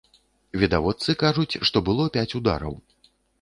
Відавочцы кажуць, што было пяць удараў.